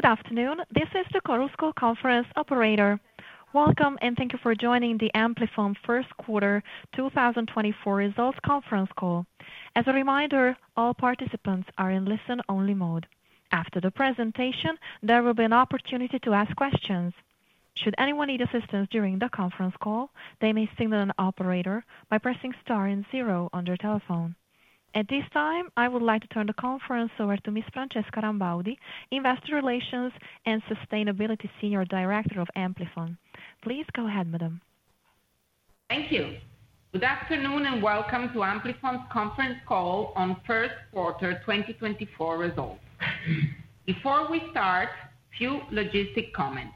Good afternoon, this is the Chorus Call Conference Operator. Welcome, and thank you for joining the Amplifon first quarter 2024 results conference call. As a reminder, all participants are in listen-only mode. After the presentation, there will be an opportunity to ask questions. Should anyone need assistance during the conference call, they may signal an operator by pressing star and zero on their telephone. At this time, I would like to turn the conference over to Ms. Francesca Rambaudi, Investor Relations and Sustainability Senior Director of Amplifon. Please go ahead, madam. Thank you. Good afternoon, and welcome to Amplifon's conference call on first quarter 2024 results. Before we start, a few logistical comments.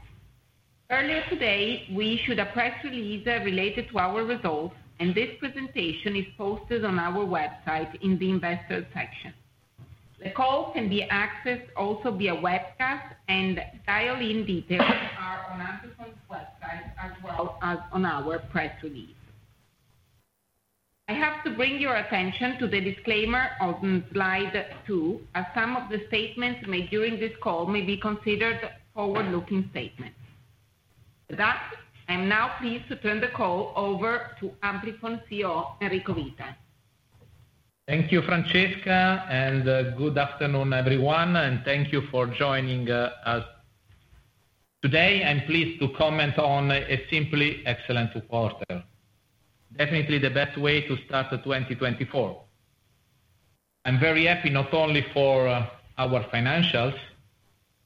Earlier today, we issued a press release related to our results, and this presentation is posted on our website in the investor section. The call can be accessed also via webcast, and dial-in details are on Amplifon's website, as well as on our press release. I have to bring your attention to the disclaimer on slide two, as some of the statements made during this call may be considered forward-looking statements. With that, I'm now pleased to turn the call over to Amplifon CEO, Enrico Vita. Thank you, Francesca, and good afternoon, everyone, and thank you for joining us. Today, I'm pleased to comment on a simply excellent quarter. Definitely the best way to start the 2024. I'm very happy not only for our financials,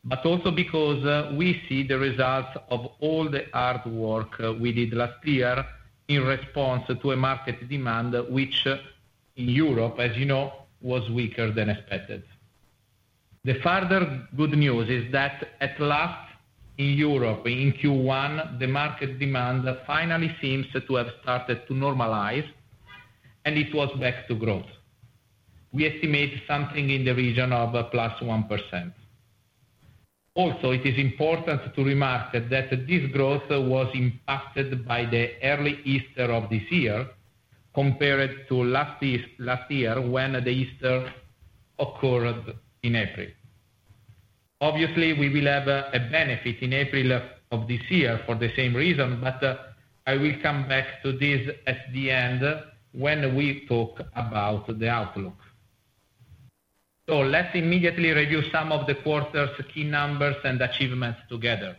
but also because we see the results of all the hard work we did last year in response to a market demand, which in Europe, as you know, was weaker than expected. The further good news is that at last, in Europe, in Q1, the market demand finally seems to have started to normalize, and it was back to growth. We estimate something in the region of +1%. Also, it is important to remark that this growth was impacted by the early Easter of this year compared to last year, when Easter occurred in April. Obviously, we will have a benefit in April of this year for the same reason, but I will come back to this at the end when we talk about the outlook. Let's immediately review some of the quarter's key numbers and achievements together.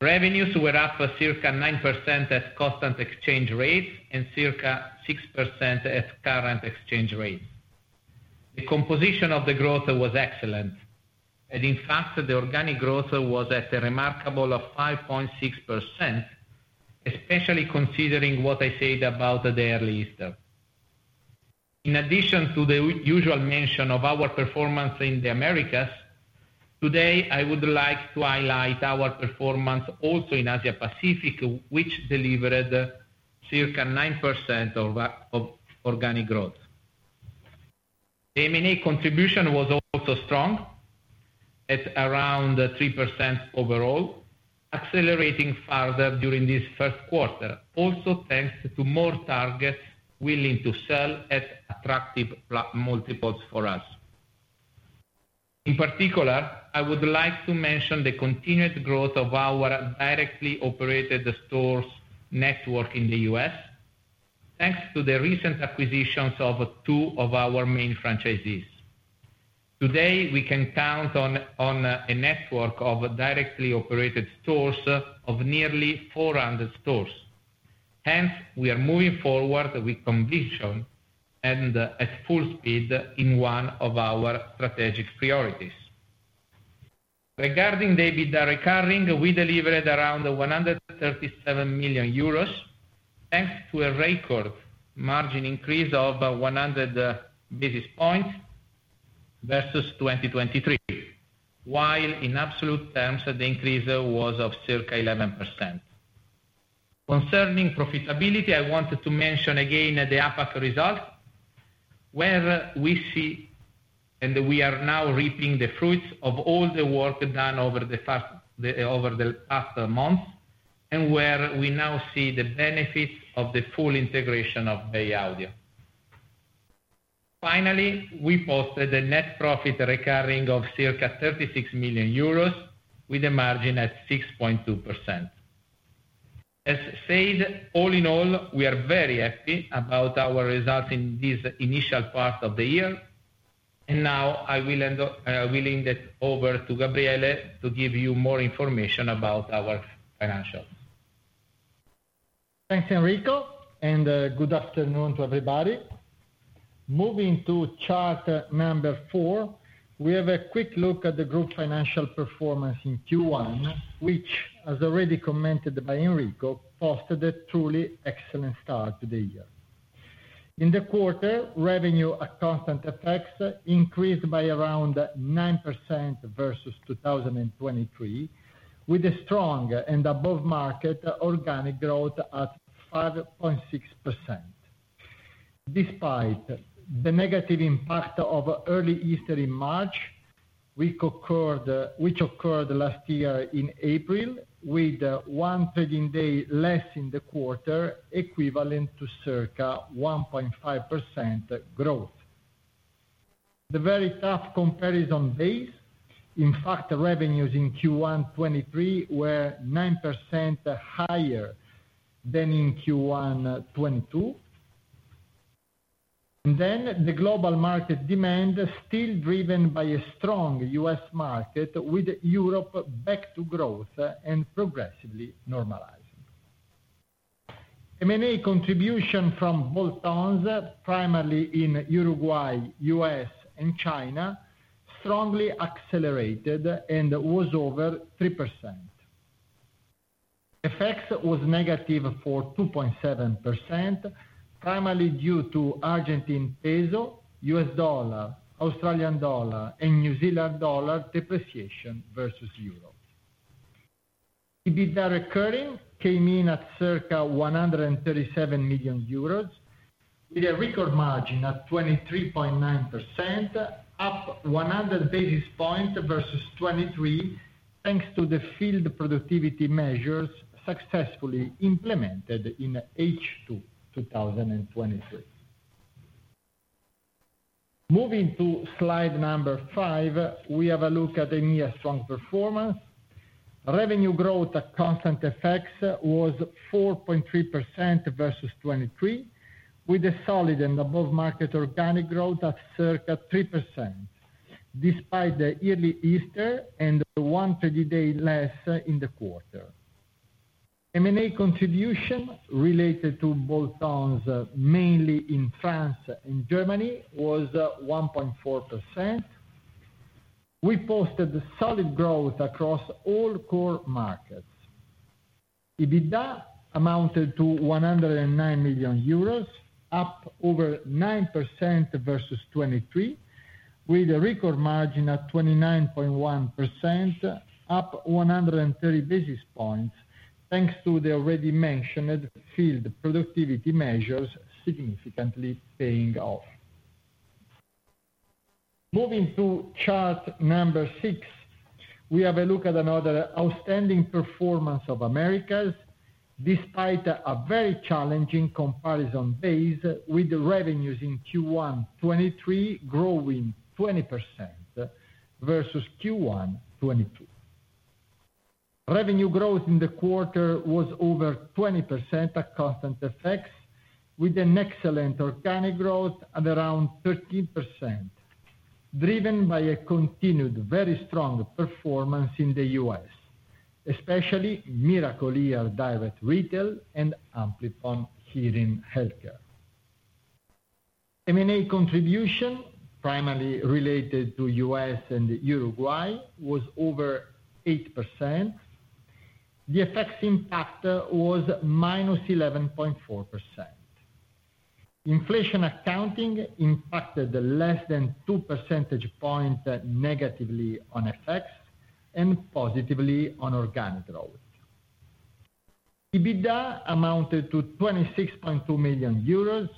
Revenues were up circa 9% at constant exchange rates and circa 6% at current exchange rates. The composition of the growth was excellent, and in fact, the organic growth was at a remarkable 5.6%, especially considering what I said about the early Easter. In addition to the usual mention of our performance in the Americas, today, I would like to highlight our performance also in Asia Pacific, which delivered circa 9% of organic growth. M&A contribution was also strong, at around 3% overall, accelerating further during this first quarter, also thanks to more targets willing to sell at attractive multiples for us. In particular, I would like to mention the continued growth of our directly operated stores network in the U.S., thanks to the recent acquisitions of two of our main franchisees. Today, we can count on a network of directly operated stores of nearly 400 stores. Hence, we are moving forward with conviction and at full speed in one of our strategic priorities. Regarding the EBITDA recurring, we delivered around 137 million euros, thanks to a record margin increase of 100 basis points versus 2023, while in absolute terms, the increase was of circa 11%. Concerning profitability, I wanted to mention again the APAC result, where we see and we are now reaping the fruits of all the work done over the past, over the past months, and where we now see the benefits of the full integration of Bay Audio. Finally, we posted a net profit recurring of circa 36 million euros with a margin at 6.2%. As said, all in all, we are very happy about our results in this initial part of the year, and now I will end up... I will hand it over to Gabriele to give you more information about our financials. Thanks, Enrico, and good afternoon to everybody. Moving to chart number four, we have a quick look at the group financial performance in Q1, which, as already commented by Enrico, posted a truly excellent start to the year. In the quarter, revenue at constant FX increased by around 9% versus 2023, with a strong and above market organic growth at 5.6%. Despite the negative impact of early Easter in March, which occurred last year in April, with one trading day less in the quarter, equivalent to circa 1.5% growth. The very tough comparison base. In fact, the revenues in Q1 2023 were 9% higher than in Q1 2022. Then the global market demand is still driven by a strong U.S. market, with Europe back to growth and progressively normalizing. M&A contribution from bolt-ons, primarily in Uruguay, U.S., and China, strongly accelerated and was over 3%. FX was negative for 2.7%, primarily due to Argentine peso, U.S. dollar, Australian dollar, and New Zealand dollar depreciation versus euro. EBITDA recurring came in at circa 137 million euros, with a record margin of 23.9%, up 100 basis points versus 2023, thanks to the field productivity measures successfully implemented in H2 2023. Moving to slide number five, we have a look at EMEA strong performance. Revenue growth at constant FX was 4.3% versus 2023, with a solid and above market organic growth at circa 3%, despite the early Easter and one trading day less in the quarter. M&A contribution related to bolt-ons, mainly in France and Germany, was 1.4%. We posted solid growth across all core markets. EBITDA amounted to 109 million euros, up over 9% versus 2023, with a record margin at 29.1%, up 130 basis points, thanks to the already mentioned field productivity measures significantly paying off. Moving to chart number six, we have a look at another outstanding performance of Americas, despite a very challenging comparison base, with the revenues in Q1 2023 growing 20% versus Q1 2022. Revenue growth in the quarter was over 20% at constant FX, with an excellent organic growth at around 13%, driven by a continued very strong performance in the U.S., especially Miracle-Ear Direct Retail and Amplifon Hearing Healthcare. M&A contribution, primarily related to U.S. and Uruguay, was over 8%. The FX impact was -11.4%. Inflation accounting impacted less than two percentage points negatively on FX and positively on organic growth. EBITDA amounted to 26.2 million euros,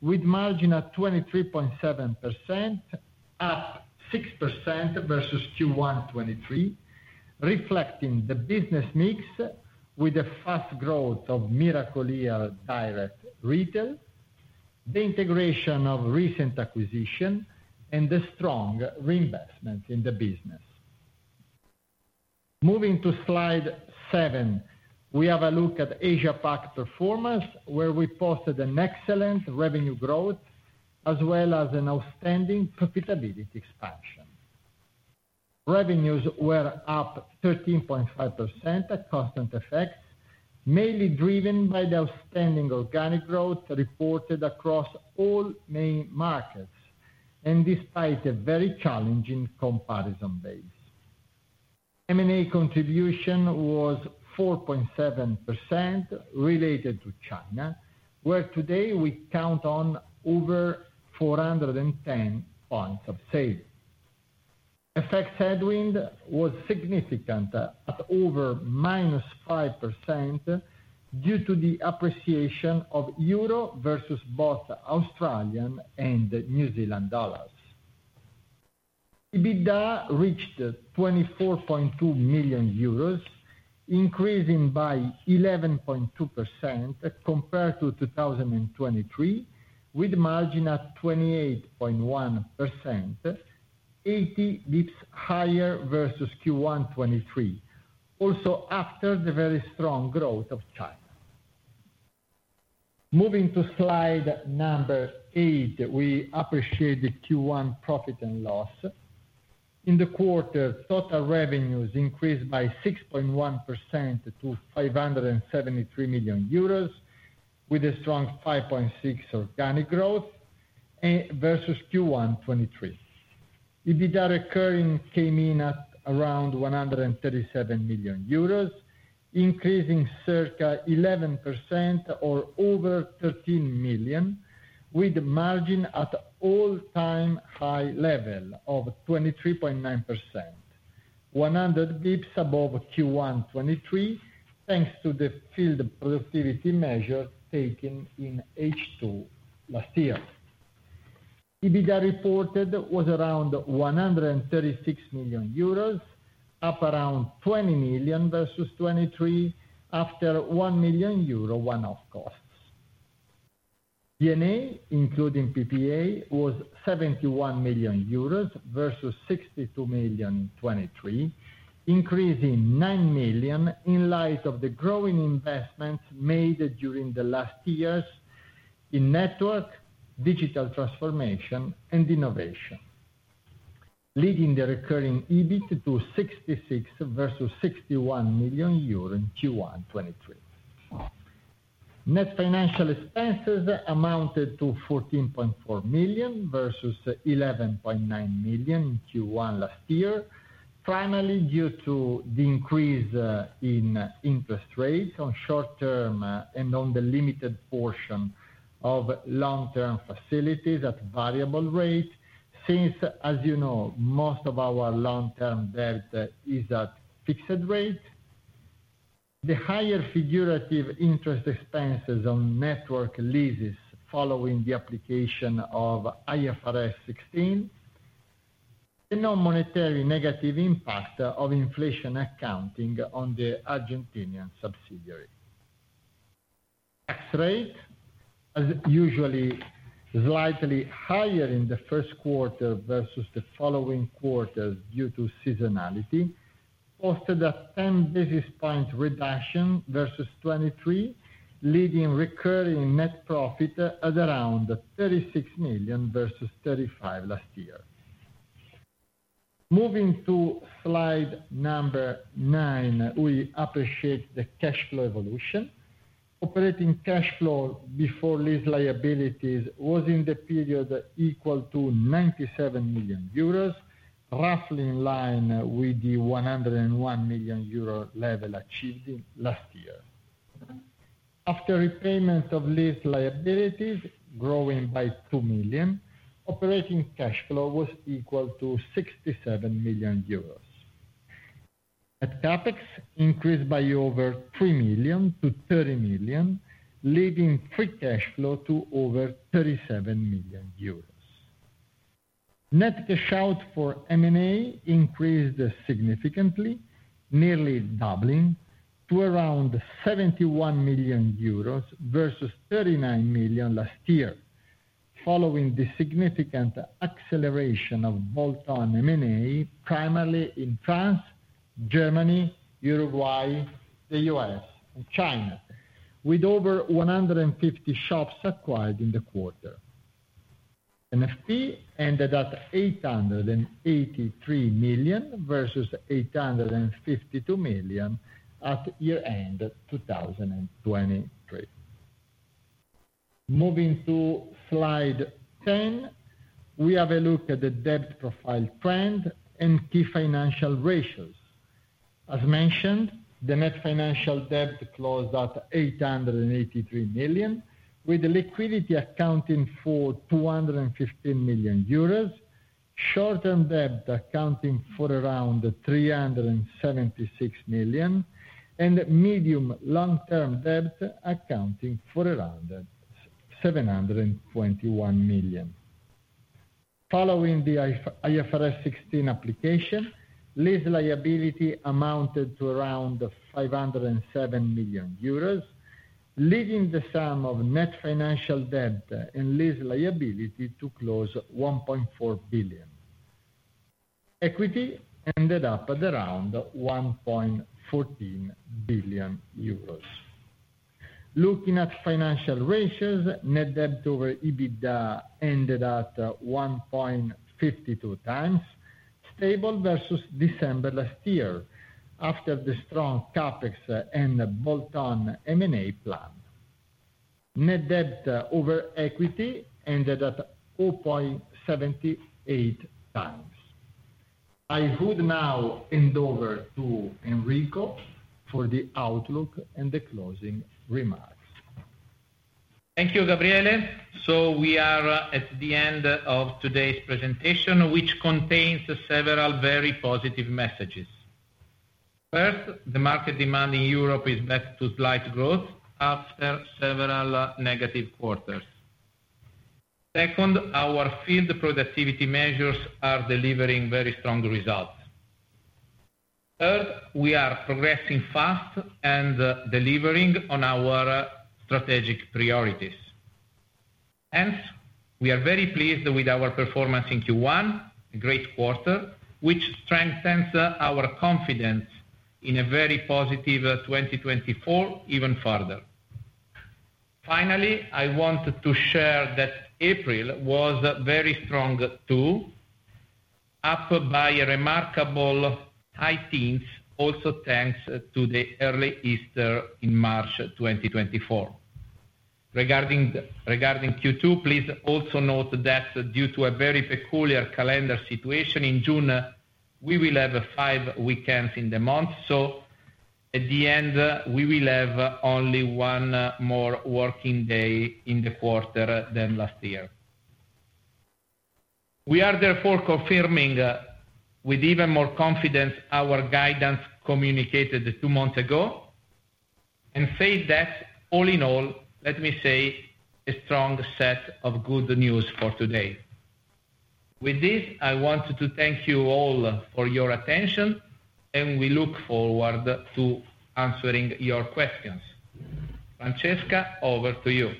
with margin at 23.7%, up 6% versus Q1 2023, reflecting the business mix with the fast growth of Miracle-Ear Direct Retail, the integration of recent acquisition, and the strong reinvestment in the business. Moving to slide seven, we have a look at Asia Pac performance, where we posted an excellent revenue growth, as well as an outstanding profitability expansion. Revenues were up 13.5% at constant FX, mainly driven by the outstanding organic growth reported across all main markets, and despite a very challenging comparison base. M&A contribution was 4.7% related to China, where today we count on over 410 points of sale. FX headwind was significant at over -5%, due to the appreciation of euro versus both Australian and New Zealand dollars. EBITDA reached 24.2 million euros, increasing by 11.2% as compared to 2023, with margin at 28.1%, 80 basis points higher versus Q1 2023, also after the very strong growth of China. Moving to slide eight, we appreciate the Q1 profit and loss. In the quarter, total revenues increased by 6.1% to 573 million euros, with a strong 5.6 organic growth, and versus Q1 2023. EBITDA recurring came in at around 137 million euros, increasing circa 11% or over 13 million, with margin at all-time high level of 23.9%, 100 basis points above Q1 2023, thanks to the field productivity measures taken in H2 last year. EBITDA reported was around 136 million euros, up around 20 million versus 2023, after 1 million euro one-off costs. D&A, including PPA, was 71 million euros versus 62 million in 2023, increasing 9 million in light of the growing investments made during the last years in network, digital transformation, and innovation, leading the recurring EBIT to 66 million versus 61 million euro in Q1 2023. Net financial expenses amounted to 14.4 million, versus 11.9 million in Q1 last year, primarily due to the increase in interest rates on short term and on the limited portion of long-term facilities at variable rate. Since, as you know, most of our long-term debt is at fixed rate, the higher figurative interest expenses on network leases following the application of IFRS 16, the non-monetary negative impact of inflation accounting on the Argentinian subsidiary. Tax rate, as usually, slightly higher in the first quarter versus the following quarters due to seasonality, posted a 10 basis points reduction versus 2023, leading recurring net profit at around 36 million versus 35 million last year. Moving to slide 9, we appreciate the cash flow evolution. Operating cash flow before lease liabilities was in the period equal to 97 million euros, roughly in line with the 101 million euro level achieved in last year. After repayment of lease liabilities growing by 2 million, operating cash flow was equal to 67 million euros. Net CapEx, increased by over 3 million to 30 million, leading free cash flow to over 37 million euros. Net cash out for M&A increased significantly, nearly doubling to around 71 million euros versus 39 million last year, following the significant acceleration of bolt-on M&A, primarily in France, Germany, Uruguay, the U.S., and China, with over 150 shops acquired in the quarter. NFP ended at 883 million, versus 852 million at year-end 2023. Moving to slide 10, we have a look at the debt profile trend and key financial ratios. As mentioned, the net financial debt closed at 883 million, with the liquidity accounting for 215 million euros, short-term debt accounting for around 376 million, and medium long-term debt accounting for around 721 million. Following the IFRS 16 application, lease liability amounted to around 507 million euros, leaving the sum of net financial debt and lease liability to close 1.4 billion. Equity ended up at around 1.14 billion euros. Looking at financial ratios, net debt over EBITDA ended at 1.52 times, stable versus December last year, after the strong CapEx and bolt-on M&A plan. Net debt over equity ended at 4.78 times. I would now hand over to Enrico for the outlook and the closing remarks. Thank you, Gabriele. We are at the end of today's presentation, which contains several very positive messages. First, the market demand in Europe is back to slight growth after several negative quarters. Second, our field productivity measures are delivering very strong results. Third, we are progressing fast and delivering on our strategic priorities. Hence, we are very pleased with our performance in Q1, a great quarter, which strengthens our confidence in a very positive 2024 even further. Finally, I want to share that April was very strong, too, up by a remarkable high teens, also thanks to the early Easter in March 2024. Regarding Q2, please also note that due to a very peculiar calendar situation in June, we will have five weekends in the month, so at the end, we will have only one more working day in the quarter than last year. We are therefore confirming with even more confidence our guidance communicated two months ago, and say that all in all, let me say, a strong set of good news for today. With this, I wanted to thank you all for your attention, and we look forward to answering your questions. Francesca, over to you.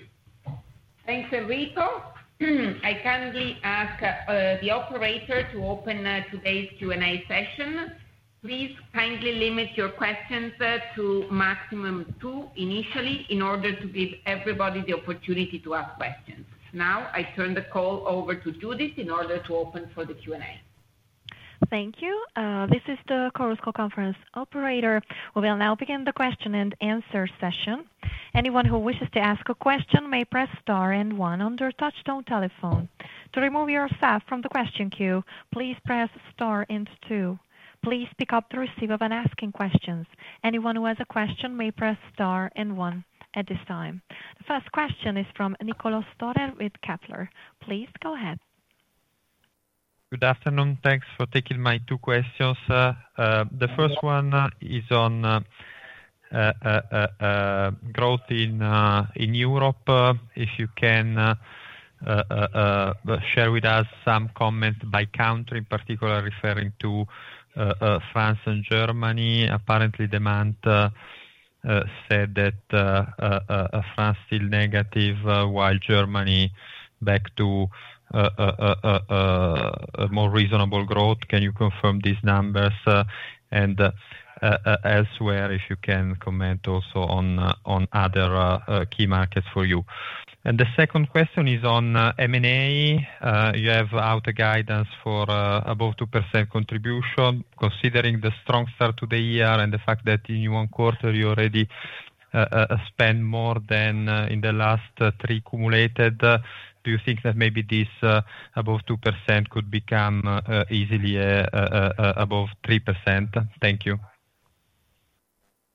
Thanks, Enrico. I kindly ask the operator to open today's Q&A session. Please kindly limit your questions to maximum two initially, in order to give everybody the opportunity to ask questions. Now, I turn the call over to Judith, in order to open for the Q&A. Thank you. This is the Chorus Call Conference Operator. We will now begin the question and answer session. Anyone who wishes to ask a question may press star and one on their touchtone telephone. To remove yourself from the question queue, please press star and two. Please pick up to receive when asking questions. Anyone who has a question may press star and one at this time. The first question is from Niccolò Storer with Kepler. Please go ahead. Good afternoon. Thanks for taking my two questions. The first one is on growth in in Europe. If you can share with us some comments by country, in particular referring to France and Germany. Apparently, Demant said that France still negative, while Germany back to a more reasonable growth. Can you confirm these numbers, and elsewhere, if you can comment also on other key markets for you? And the second question is on M&A. You have out a guidance for above 2% contribution. Considering the strong start to the year and the fact that in one quarter you already spent more than in the last three accumulated, do you think that maybe this above 2% could become easily above 3%? Thank you.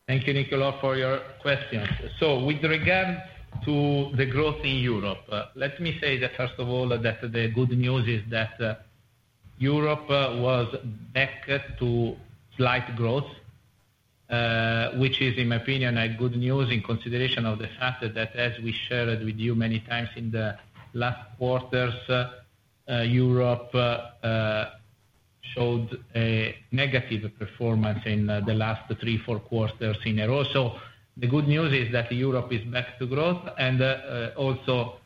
Thank you, Niccolo, for your questions. With regard to the growth in Europe, let me say that first of all, that the good news is that, Europe was back to slight growth, which is, in my opinion, a good news in consideration of the fact that as we shared with you many times in the last quarters, Europe showed a negative performance in the last three, four quarters in a row. The good news is that Europe is back to growth, and, also,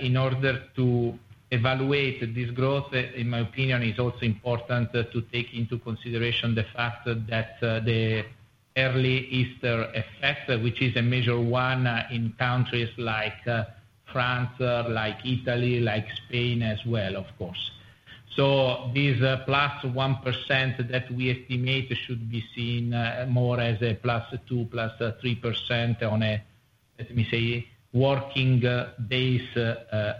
in order to evaluate this growth, in my opinion, is also important, to take into consideration the fact that, the early Easter effect, which is a major one, in countries like, France, like Italy, like Spain as well, of course. This +1% that we estimate should be seen more as a +2, +3% on a, let me say, working base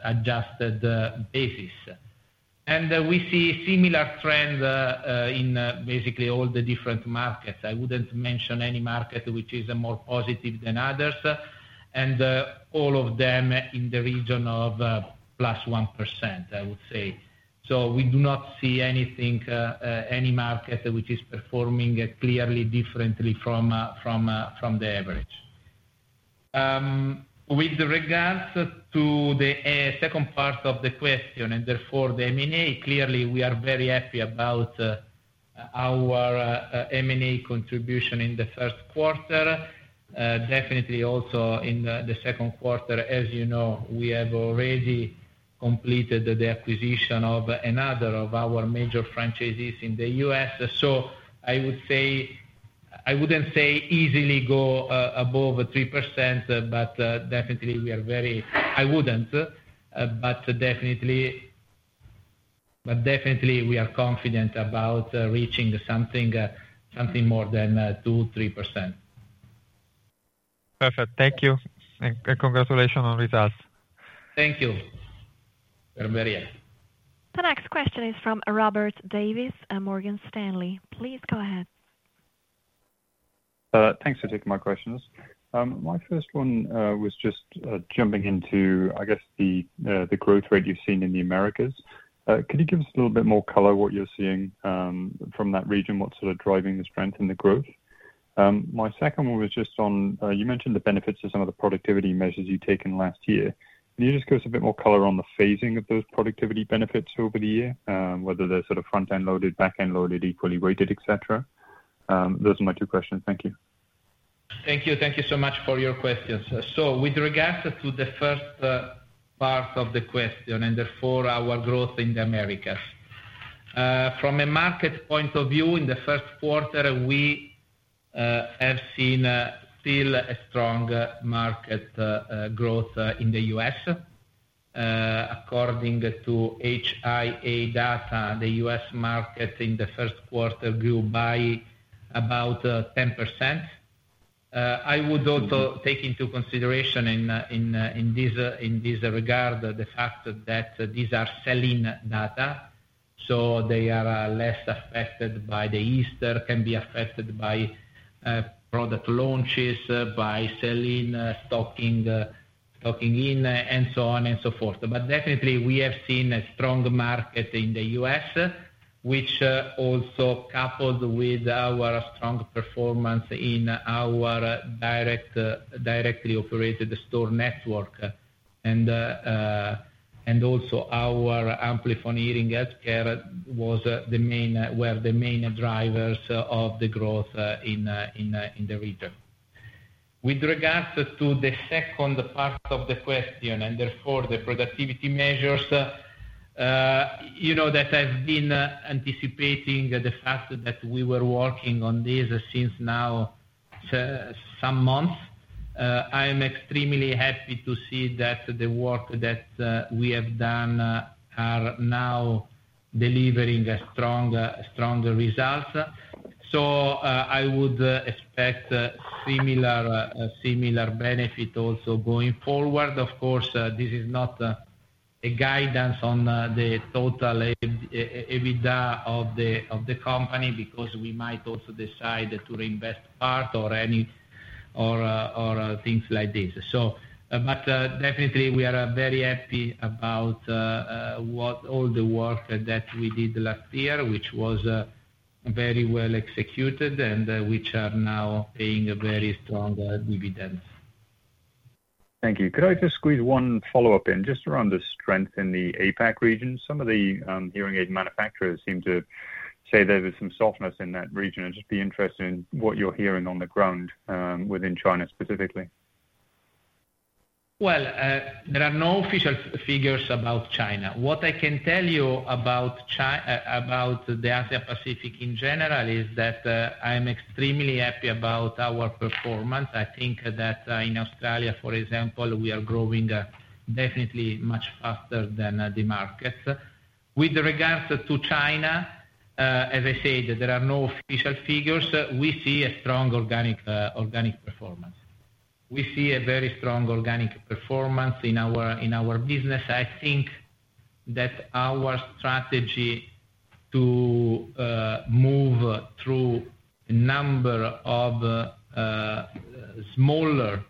adjusted basis. We see similar trends in basically all the different markets. I wouldn't mention any market which is more positive than others, and all of them in the region of +1%, I would say. We do not see anything any market which is performing clearly differently from from the average. With regards to the second part of the question, and therefore the M&A, clearly we are very happy about our M&A contribution in the first quarter. Definitely also in the second quarter, as you know, we have already completed the acquisition of another of our major franchises in the U.S. I would say... I wouldn't say easily go above 3%, but definitely we are very... I wouldn't, but definitely we are confident about reaching something, something more than 2%-3%. Perfect. Thank you, and congratulations on results. Thank you, very much. The next question is from Robert Davies at Morgan Stanley. Please go ahead. Thanks for taking my questions. My first one was just jumping into, I guess, the growth rate you've seen in the Americas. Could you give us a little bit more color, what you're seeing from that region? What's sort of driving the strength in the growth? My second one was just on... You mentioned the benefits of some of the productivity measures you've taken last year. Can you just give us a bit more color on the phasing of those productivity benefits over the year, whether they're sort of front-end loaded, back-end loaded, equally weighted, et cetera? Those are my two questions. Thank you. Thank you. Thank you so much for your questions. With regards to the first part of the question, and therefore our growth in the Americas, from a market point of view, in the first quarter, we have seen still a strong market growth in the U.S. According to HIA data, the U.S. market in the first quarter grew by about 10%. I would also take into consideration in this regard, the fact that these are selling data, so they are less affected by the Easter, can be affected by product launches, by selling, stocking in, and so on and so forth. But definitely we have seen a strong market in the U.S., which also coupled with our strong performance in our direct, directly operated store network. Also our Amplifon Hearing Healthcare was the main, were the main drivers of the growth in the region. With regards to the second part of the question, and therefore the productivity measures, you know, that I've been anticipating the fact that we were working on this since now some months. I am extremely happy to see that the work that we have done are now delivering a strong, stronger results. I would expect similar benefit also going forward. Of course, this is not a guidance on the total EBITDA of the company, because we might also decide to reinvest part or any or or things like this. Definitely, we are very happy about what all the work that we did last year, which was very well executed and which are now paying a very strong dividends. Thank you. Could I just squeeze one follow-up in, just around the strength in the APAC region? Some of the hearing aid manufacturers seem to say there is some softness in that region. I'd just be interested in what you're hearing on the ground, within China specifically. Well, there are no official figures about China. What I can tell you about the Asia Pacific in general, is that, I'm extremely happy about our performance. I think that, in Australia, for example, we are growing, definitely much faster than, the market. With regards to China, as I said, there are no official figures. We see a strong organic performance. We see a very strong organic performance in our business. I think that our strategy to move through a number of smaller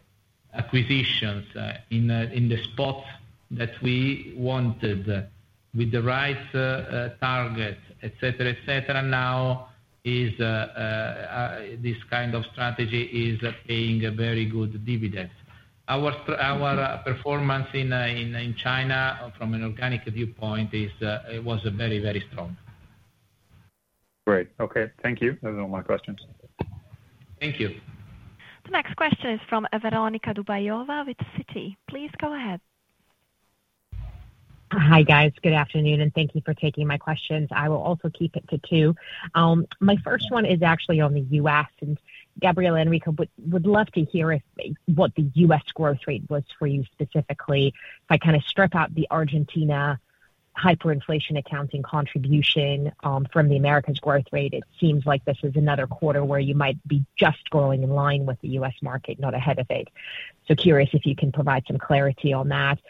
acquisitions in the spot that we wanted, with the right target, et cetera, et cetera, now this kind of strategy is paying a very good dividends. Our performance in China, from an organic viewpoint, is it was very, very strong. Great. Okay, thank you. Those are all my questions. Thank you. The next question is from Veronika Dubajova with Citi. Please go ahead. Hi, guys. Good afternoon, and thank you for taking my questions. I will also keep it to two. My first one is actually on the U.S., and Gabriele, Enrico, would love to hear if what the U.S. growth rate was for you specifically. If I kind of strip out the Argentina hyperinflation accounting contribution from the Americas growth rate, it seems like this is another quarter where you might be just growing in line with the U.S. market, not ahead of it. So curious if you can provide some clarity on that.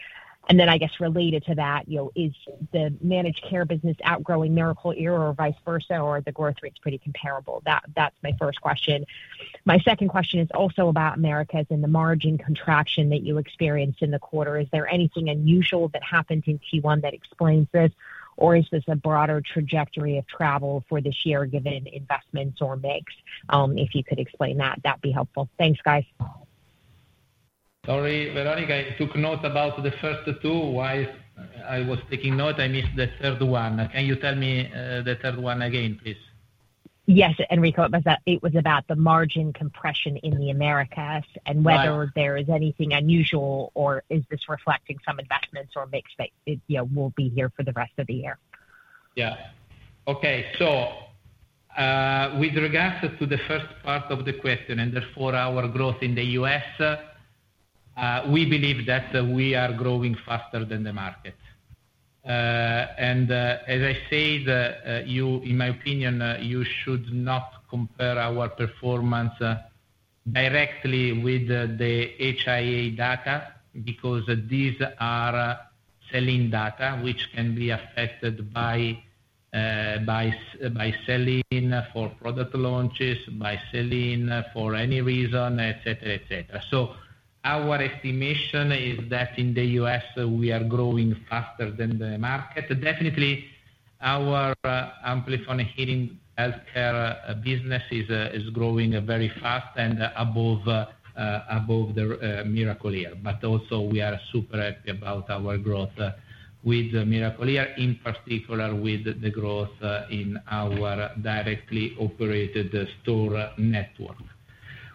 Then, I guess related to that, you know, is the managed care business outgrowing Miracle-Ear or vice versa, or the growth rate's pretty comparable? That's my first question. My second question is also about Americas and the margin contraction that you experienced in the quarter. Is there anything unusual that happened in Q1 that explains this, or is this a broader trajectory of travel for this year, given investments or mix? If you could explain that, that'd be helpful. Thanks, guys. Sorry, Veronika, I took note about the first two. While I was taking note, I missed the third one. Can you tell me the third one again, please? Yes, Enrico. It was, it was about the margin compression in the Americas,- Right. -and whether there is anything unusual, or is this reflecting some investments or mix that, you know, will be here for the rest of the year? Yeah. Okay. With regards to the first part of the question, and therefore our growth in the U.S., we believe that we are growing faster than the market. As I said, in my opinion, you should not compare our performance directly with the HIA data, because these are selling data, which can be affected by selling for product launches, by selling for any reason, et cetera, et cetera. Our estimation is that in the U.S., we are growing faster than the market. Definitely, our Amplifon Hearing Healthcare business is growing very fast and above the Miracle-Ear. But also we are super happy about our growth with Miracle-Ear, in particular with the growth in our directly operated store network.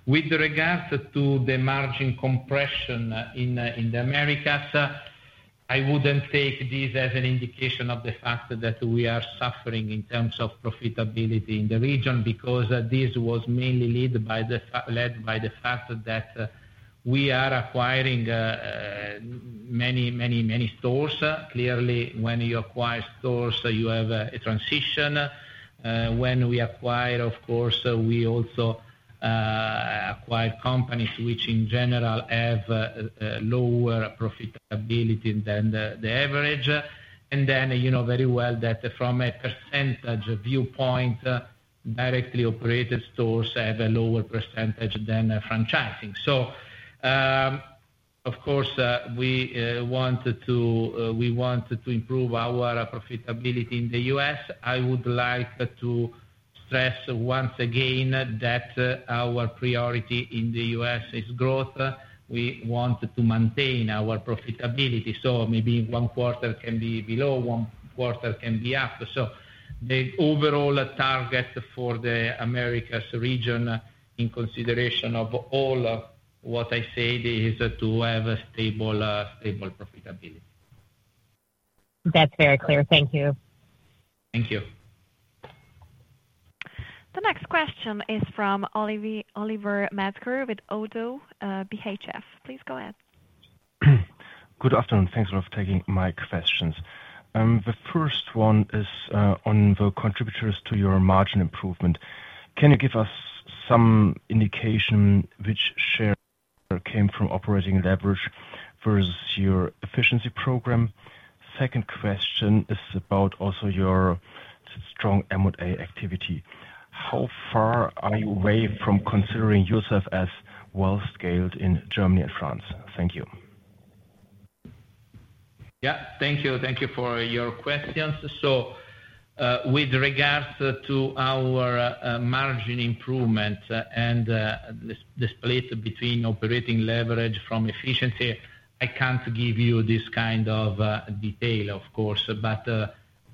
With regards to the margin compression in the Americas, I wouldn't take this as an indication of the fact that we are suffering in terms of profitability in the region, because this was mainly led by the fact that we are acquiring many, many, many stores. Clearly, when you acquire stores, you have a transition. When we acquire, of course, we also acquire companies which, in general, have lower profitability than the average. Then you know very well that from a percentage viewpoint, directly operated stores have a lower percentage than franchising. Of course, we want to improve our profitability in the U.S. I would like to stress once again that our priority in the U.S. is growth. We want to maintain our profitability, so maybe one quarter can be below, one quarter can be after. The overall target for the Americas region, in consideration of all what I said, is to have a stable, stable profitability. That's very clear. Thank you. Thank you. The next question is from Oliver Metzger with ODDO BHF. Please go ahead. Good afternoon. Thanks for taking my questions. The first one is on the contributors to your margin improvement. Can you give us some indication which share came from operating leverage versus your efficiency program? Second question is about also your strong M&A activity. How far are you away from considering yourself as well-scaled in Germany and France? Thank you. Yeah, thank you. Thank you for your questions. With regards to our margin improvement and the split between operating leverage from efficiency, I can't give you this kind of detail, of course, but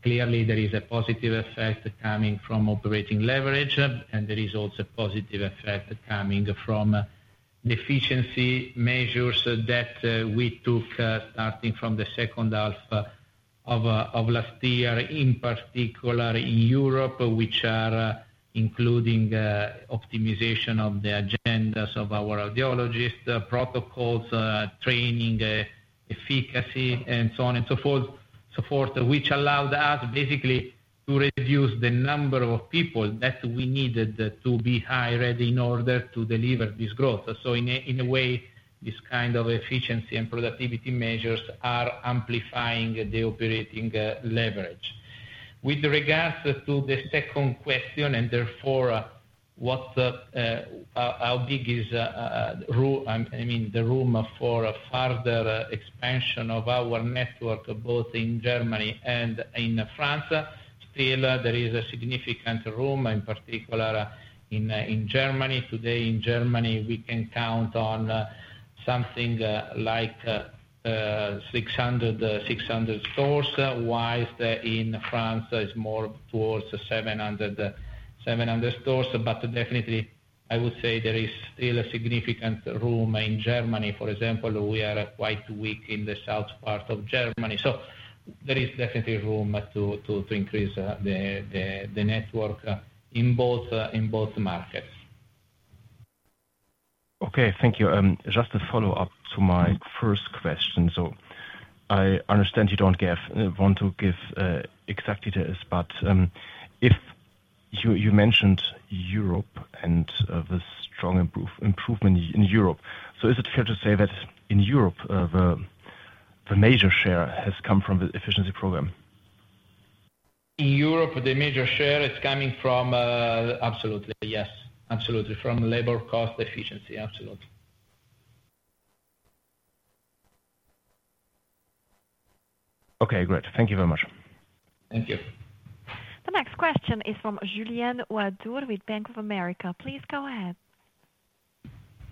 clearly there is a positive effect coming from operating leverage, and there is also positive effect coming from the efficiency measures that we took starting from the second half of last year, in particular in Europe, which are including optimization of the agendas of our audiologists, protocols, training, efficacy, and so on, and so on, so forth. Which allowed us basically to reduce the number of people that we needed to be hired in order to deliver this growth. In a way, this kind of efficiency and productivity measures are amplifying the operating leverage. With regards to the second question, and therefore how big is the room, I mean, the room for further expansion of our network, both in Germany and in France, still there is a significant room, in particular in Germany. Today, in Germany, we can count on something like 600 stores, while in France it's more towards 700 stores. But definitely I would say there is still a significant room in Germany, for example, we are quite weak in the south part of Germany, so there is definitely room to increase the network in both markets. Okay. Thank you. Just a follow-up to my first question. I understand you don't give, want to give, exactly this, but, if you, you mentioned Europe and, the strong improve, improvement in Europe. Is it fair to say that in Europe, the major share has come from the efficiency program? In Europe, the major share is coming from, absolutely, yes. Absolutely. From labor cost efficiency, absolutely. Okay, great. Thank you very much. Thank you. The next question is from Julien Ouaddour with Bank of America. Please go ahead.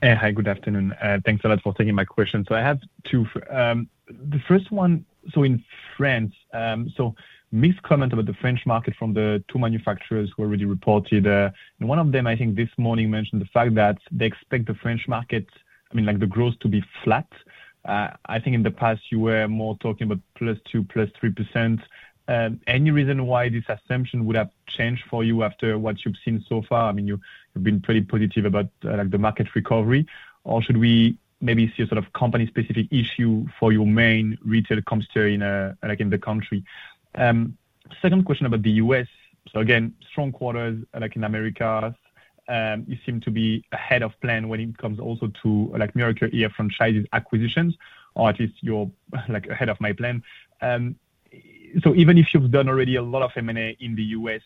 Hi, good afternoon, thanks a lot for taking my question. I have two. The first one, so in France, so mixed comment about the French market from the two manufacturers who already reported. And one of them, I think, this morning, mentioned the fact that they expect the French market, I mean, like, the growth to be flat. I think in the past you were more talking about +2, +3%. Any reason why this assumption would have changed for you after what you've seen so far? I mean, you've, you've been pretty positive about, like, the market recovery. Or should we maybe see a sort of company-specific issue for your main retail customer in, like, in the country? Second question about the U.S. Again, strong quarters, like in Americas, you seem to be ahead of plan when it comes also to, like, Miracle-Ear franchises acquisitions, or at least you're, like, ahead of my plan. Even if you've done already a lot of M&A in the U.S.,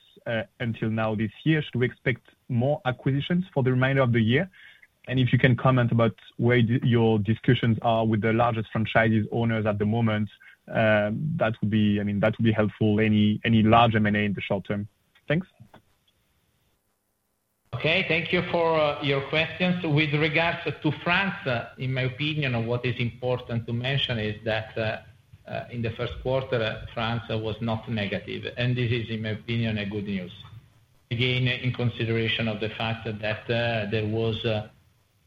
until now this year, should we expect more acquisitions for the remainder of the year? If you can comment about where your discussions are with the largest franchises owners at the moment, that would be... I mean, that would be helpful, any large M&A in the short term. Thanks. Okay. Thank you for your questions. With regards to France, in my opinion, what is important to mention is that, in the first quarter, France was not negative, and this is, in my opinion, a good news. Again, in consideration of the fact that, there was an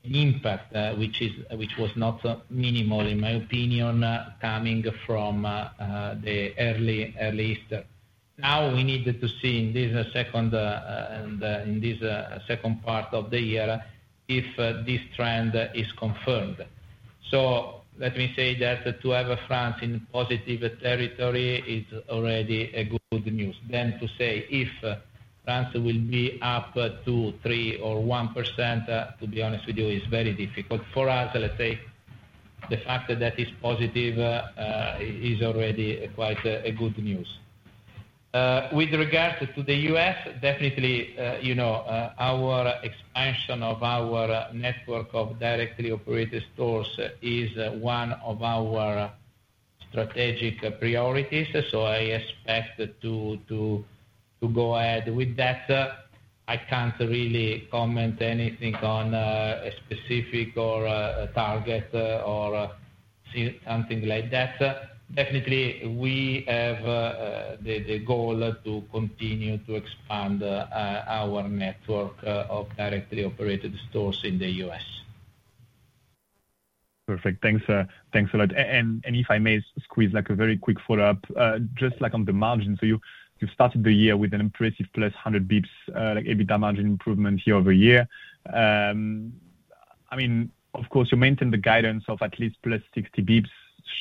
impact, which is, which was not minimal, in my opinion, coming from the early, early start. Now we need to see in this second, and in this second part of the year, if this trend is confirmed. Let me say that to have France in positive territory is already a good news. Then to say if France will be up 2%, 3% or 1%, to be honest with you, is very difficult for us. Let's say, the fact that that is positive is already quite a good news. With regard to the U.S., definitely, you know, our expansion of our network of directly operated stores is one of our strategic priorities, so I expect to go ahead with that. I can't really comment anything on a specific or a target or see something like that. Definitely, we have the goal to continue to expand our network of directly operated stores in the U.S. Perfect. Thanks, thanks a lot. If I may squeeze in a very quick follow-up, just like on the margin. You started the year with an impressive +100 basis points, like, EBITDA margin improvement year-over-year. I mean, of course, you maintained the guidance of at least +60 basis points.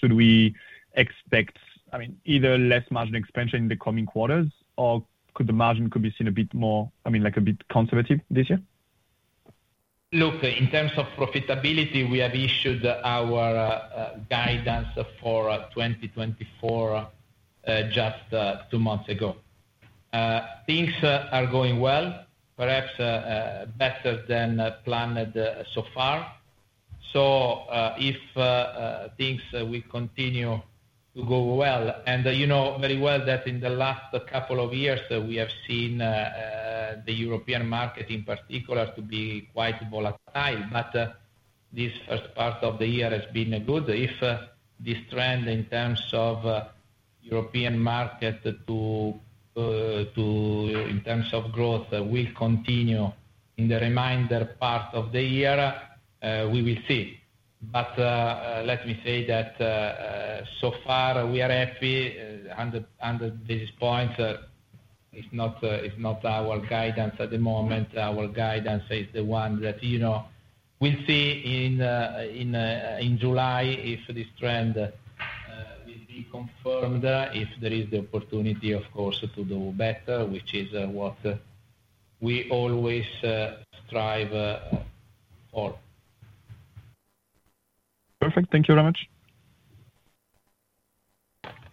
Should we expect, I mean, either less margin expansion in the coming quarters, or could the margin be seen a bit more, I mean, like, a bit conservative this year? Look, in terms of profitability, we have issued our guidance for 2024 just two months ago. Things are going well, perhaps better than planned so far. If things will continue to go well, and you know very well that in the last couple of years we have seen the European market in particular to be quite volatile, but this first part of the year has been good. If this trend in terms of European market to in terms of growth will continue in the remainder part of the year, we will see. But let me say that so far we are happy. 100 basis points is not our guidance at the moment. Our guidance is the one that, you know, we'll see in July, if this trend will be confirmed, if there is the opportunity, of course, to do better, which is what we always strive for. Perfect. Thank you very much.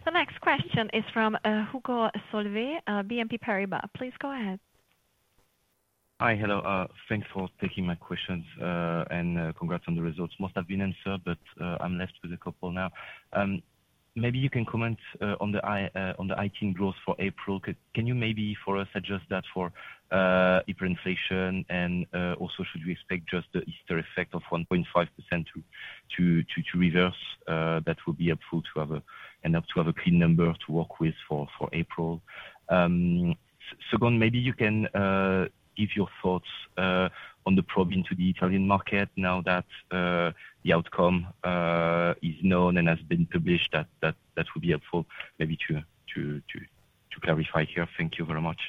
The next question is from Hugo Solvet, BNP Paribas. Please go ahead. Hi. Hello, thanks for taking my questions, and congrats on the results. Most have been answered, but I'm left with a couple now. Maybe you can comment on the Italy growth for April. Can you maybe for us adjust that for hyperinflation? Also, should we expect just the Easter effect of 1.5% to reverse? That would be helpful enough to have a clean number to work with for April. Second, maybe you can give your thoughts on the probe into the Italian market now that the outcome is known and has been published, that would be helpful maybe to clarify here. Thank you very much.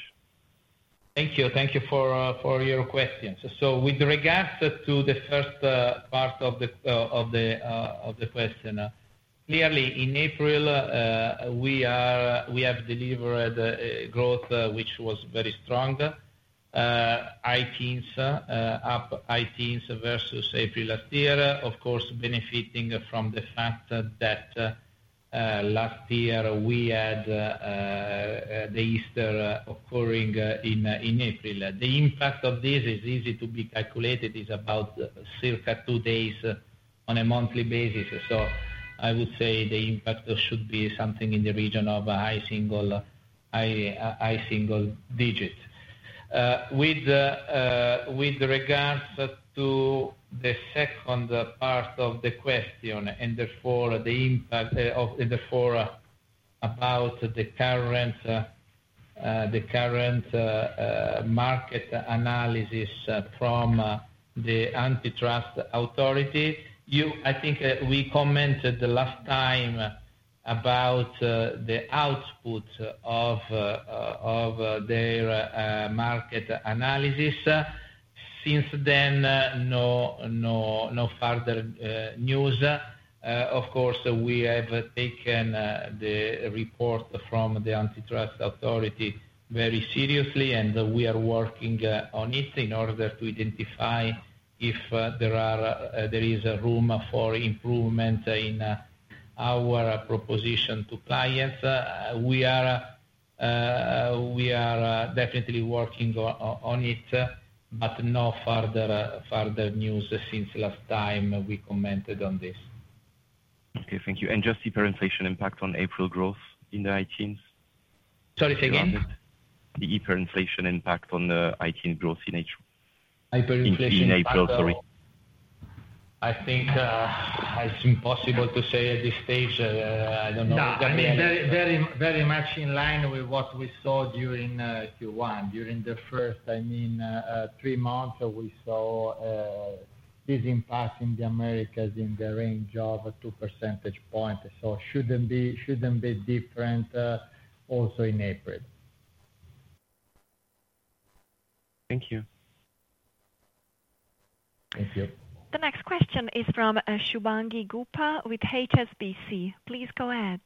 Thank you. Thank you for your questions. With regards to the first part of the question, clearly, in April, we have delivered growth which was very strong. High-teens up high-teens versus April last year, of course, benefiting from the fact that last year we had the Easter occurring in April. The impact of this is easy to be calculated, is about circa two days on a monthly basis. I would say the impact should be something in the region of a high single digit. With regards to the second part of the question, and therefore the impact of... and therefore about the current market analysis from the antitrust authority, you... I think we commented the last time about the output of their market analysis. Since then, no further news. Of course, we have taken the report from the antitrust authority very seriously, and we are working on it in order to identify if there is a room for improvement in our proposition to clients. We are definitely working on it, but no further news since last time we commented on this. Okay, thank you. Just hyperinflation impact on April growth in the high teens? Sorry, say again. The hyperinflation impact on the high-teen growth in April. Hyperinflation impact of... In April, sorry. I think, it's impossible to say at this stage. I don't know. Yeah, I mean, very, very, very much in line with what we saw during Q1. During the first, I mean, three months, we saw this impact in the Americas in the range of 2 percentage points. Shouldn't be, shouldn't be different also in April. Thank you. Thank you. The next question is from Shubhangi Gupta with HSBC. Please go ahead.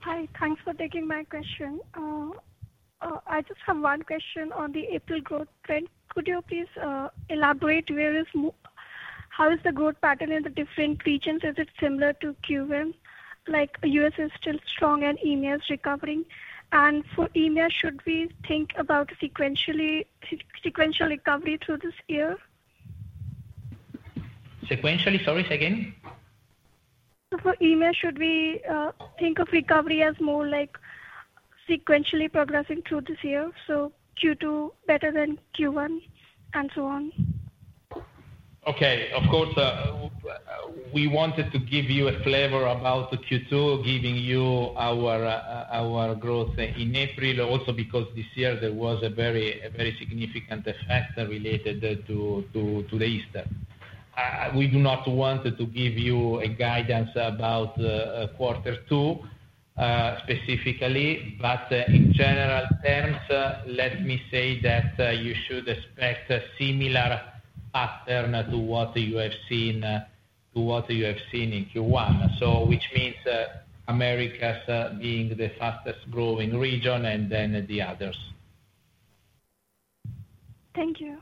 Hi, thanks for taking my question. I just have one question on the April growth trend. Could you please elaborate how is the growth pattern in the different regions? Is it similar to Q1? Like, U.S. is still strong and EMEA is recovering. For EMEA, should we think about sequential recovery through this year? Sequentially? Sorry, say again. For EMEA, should we think of recovery as more like sequentially progressing through this year, so Q2 better than Q1, and so on? Okay. Of course, we wanted to give you a flavor about the Q2, giving you our growth in April. Also, because this year there was a very significant effect related to the Easter. We do not want to give you a guidance about quarter two specifically, but in general terms, let me say that you should expect a similar pattern to what you have seen, to what you have seen in Q1. Which means, Americas being the fastest growing region and then the others. Thank you.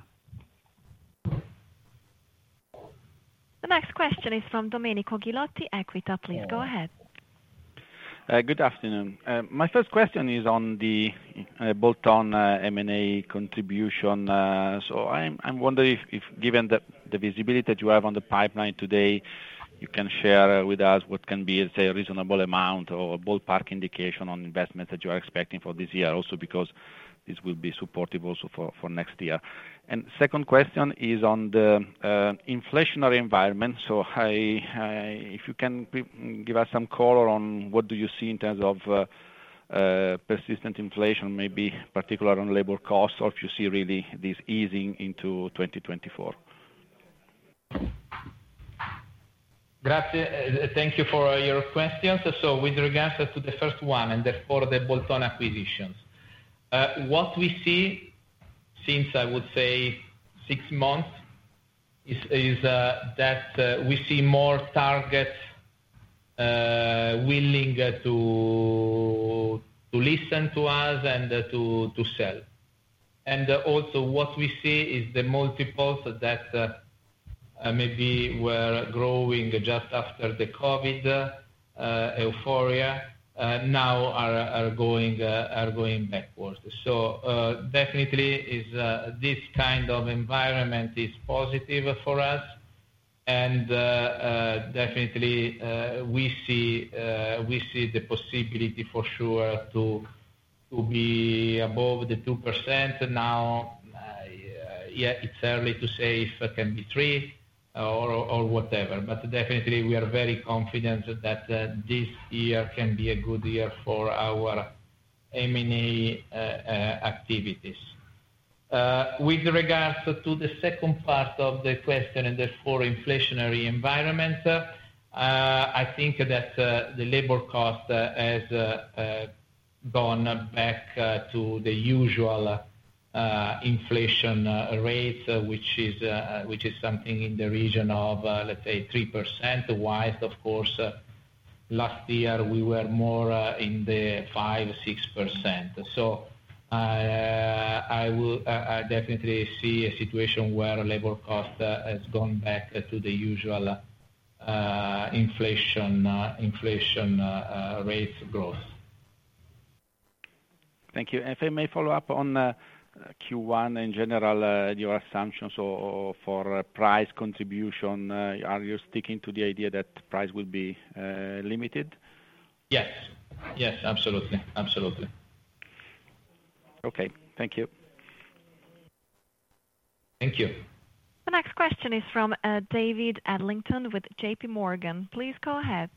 The next question is from Domenico Ghilotti, Equita. Please, go ahead. Good afternoon. My first question is on the bolt-on M&A contribution. =I'm wondering if, given the visibility that you have on the pipeline today, you can share with us what can be, let's say, a reasonable amount or a ballpark indication on investment that you are expecting for this year? Also, because this will be supportive also for next year. Second question is on the inflationary environment. If you can give us some color on what you see in terms of persistent inflation, maybe particularly on labor costs, or if you see really this easing into 2024. Grazie. Thank you for your questions. With regards to the first one, and therefore, the bolt-on acquisitions, what we see, since I would say six months, is that we see more targets willing to listen to us and to sell. Also, what we see is the multiples that maybe were growing just after the COVID euphoria now are going backwards. Definitely, this kind of environment is positive for us, and definitely, we see the possibility for sure to be above the 2%. Now, yeah, it's early to say if it can be three or whatever. But definitely, we are very confident that this year can be a good year for our M&A activities. With regards to the second part of the question and therefore, inflationary environment, I think that the labor cost has gone back to the usual inflation rates, which is something in the region of, let's say, 3%. While, of course, last year we were more in the 5-6%. I definitely see a situation where labor cost has gone back to the usual inflation rates growth. Thank you. If I may follow up on Q1 in general, your assumptions or for price contribution, are you sticking to the idea that price will be limited? Yes. Yes, absolutely. Absolutely. Okay, thank you. Thank you. The next question is from, David Adlington with J.P. Morgan. Please go ahead.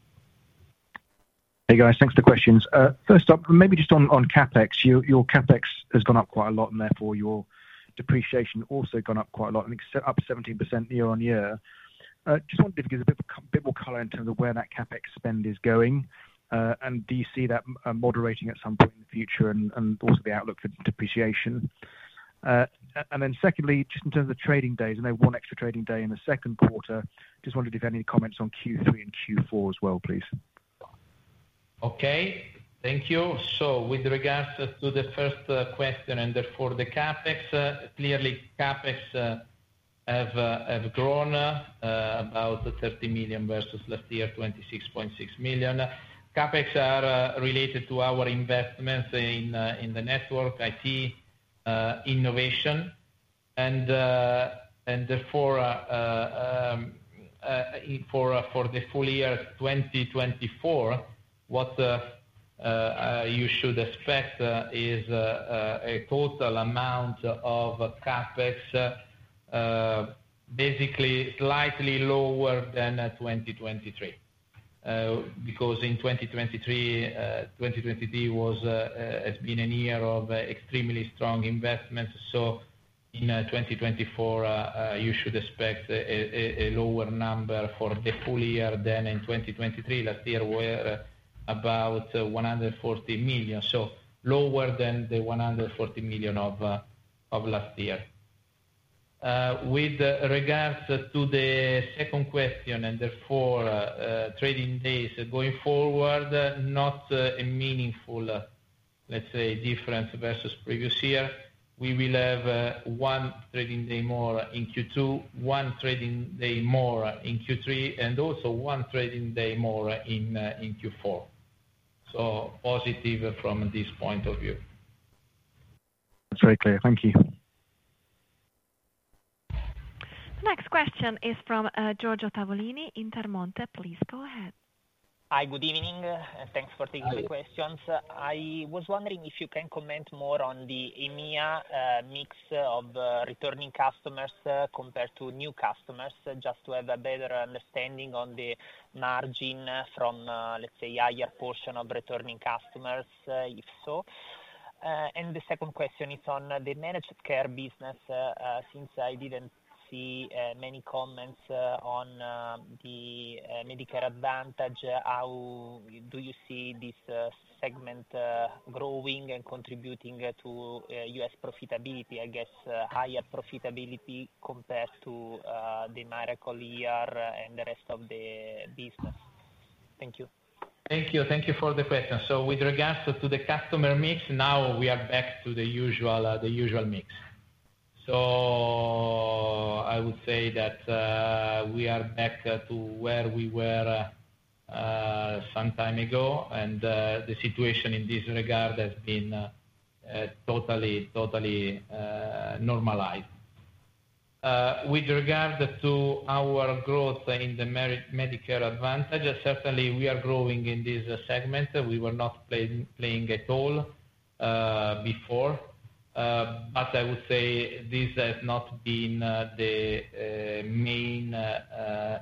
Hey, guys. Thanks for the questions. First up, maybe just on CapEx. Your CapEx has gone up quite a lot, and therefore, your depreciation also gone up quite a lot. I think it's up 17% year-on-year. Just wonder if you can give us a bit more color in terms of where that CapEx spend is going. Do you see that moderating at some point in the future and also the outlook for depreciation? Then secondly, just in terms of trading days, I know one extra trading day in the second quarter. Just wondered if you have any comments on Q3 and Q4 as well, please. Okay. Thank you. With regards to the first question, and therefore, the CapEx, clearly CapEx have grown about 30 million versus last year, 26.6 million. CapEx are related to our investments in the network, IT, innovation, and therefore, for the full year 2024, what you should expect is a total amount of CapEx basically slightly lower than 2023. Because in 2023, 2023 has been a year of extremely strong investments. In 2024, you should expect a lower number for the full year than in 2023. Last year were about 140 million, so lower than the 140 million of last year. With regards to the second question, and therefore, trading days going forward, not a meaningful, let's say, difference versus previous year, we will have, one trading day more in Q2, one trading day more in Q3, and also one trading day more in, in Q4. Positive from this point of view. That's very clear. Thank you. Next question is from, Giorgio Tavolini, Intermonte. Please go ahead. Hi, good evening, and thanks for taking the questions. Hi. I was wondering if you can comment more on the EMEA mix of returning customers compared to new customers, just to have a better understanding on the margin from, let's say, higher portion of returning customers, if so? The second question is on the managed care business. Since I didn't see many comments on the Medicare Advantage, how do you see this segment growing and contributing to U.S. profitability, I guess, higher profitability compared to the Miracle-Ear and the rest of the business? Thank you. Thank you. Thank you for the question. With regards to the customer mix, now we are back to the usual mix. I would say that we are back to where we were some time ago, and the situation in this regard has been totally normalized. With regard to our growth in the Medicare Advantage, certainly we are growing in this segment. We were not playing at all before. But I would say this has not been the main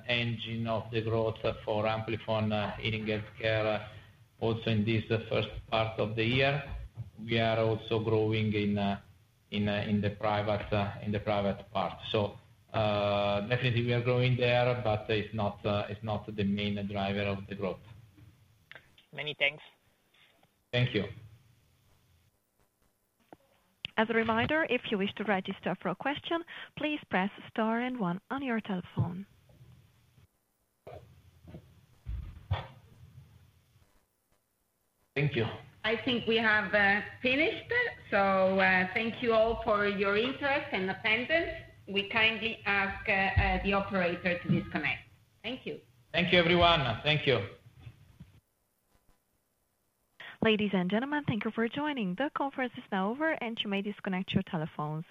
engine of the growth for Amplifon in healthcare. Also, in this first part of the year, we are also growing in the private part. Definitely we are growing there, but it's not the main driver of the growth. Many thanks. Thank you. As a reminder, if you wish to register for a question, please press star and one on your telephone. Thank you. I think we have finished. Thank you all for your interest and attendance. We kindly ask the operator to disconnect. Thank you. Thank you, everyone. Thank you. Ladies and gentlemen, thank you for joining. The conference is now over, and you may disconnect your telephones.